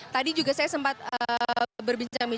tadi juga saya sempat berbincang dengan pak lili